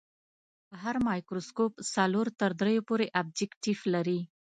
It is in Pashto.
هر مایکروسکوپ څلور تر دریو پورې ابجکتیف لري.